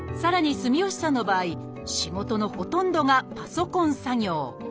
住吉さんの場合仕事のほとんどがパソコン作業。